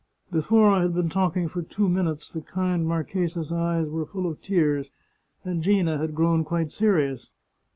Before I had been talking for two minutes the kind marchesa's eyes were full of tears and Gina had grown quite serious.